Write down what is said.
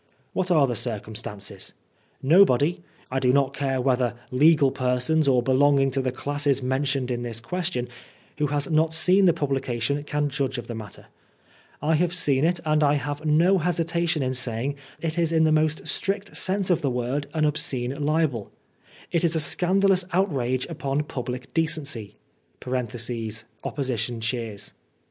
What are the circumstances ? Nobody — ^I do not care whether legal persons or belonging to the classes mentioned in this question — ^who has not seen the publication can judge of the matter. I have seeu it, and I have no hesitation in saying that it is in the most strict sense of the word an obscene libeL It is a scandalous outrage upon public decency. (Opposition cheers.)